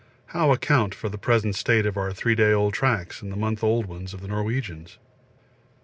How account for the present state of our three day old tracks and the month old ones of the Norwegians?